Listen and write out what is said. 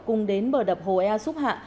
cùng đến bờ đập hồ ea súp hạ